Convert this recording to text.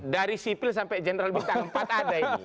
dari sipil sampai general bintang empat ada ini